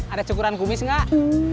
ada cukuran kumis gak